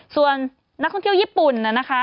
ส่วนนักท่องเที่ยวญี่ปุ่นนะคะ